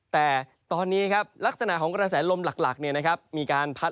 แต่ตอนนี้ครับลักษณะของกระแสลมหลักมีการพัด